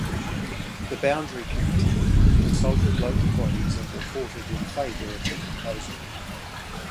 The Boundary Committee consulted local bodies and reported in favour of the proposal.